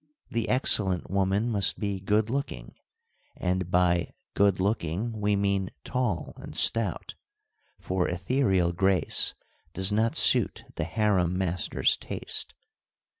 The excellent woman must be good looking, and by ' good looking ' we mean tall and stout, for ethereal grace does not suit the harem master's taste.